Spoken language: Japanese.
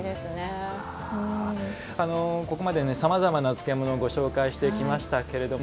ここまで、さまざまな漬物ご紹介してきましたけれども